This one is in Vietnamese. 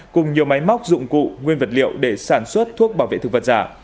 cùng nhiều máy móc dụng cụ nguyên vật liệu để sản xuất thuốc bảo vệ thực vật giả